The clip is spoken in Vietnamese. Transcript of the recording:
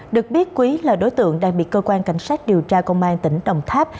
được biết quý là đối tượng đang bị cơ quan cảnh sát điều tra công an tỉnh đồng tháp